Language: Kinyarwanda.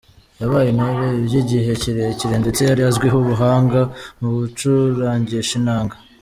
Yabaye intore by’igihe kirekire ndetse yari azwiho ubuhanga mu gucurangisha inanga.